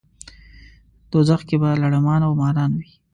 دوزخ کې به لړمان او ماران وي.